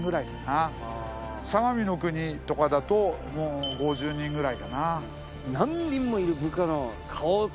相模国とかだと５０人ぐらいかな。